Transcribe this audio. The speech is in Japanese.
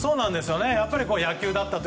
やっぱり野球だったと。